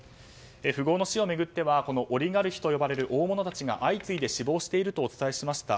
富豪の死を巡ってはオリガルヒと呼ばれる大物たちが相次いで死亡しているとお伝えしました。